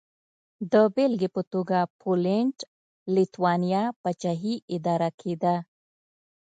د بېلګې په توګه پولنډ-لېتوانیا پاچاهي اداره کېده.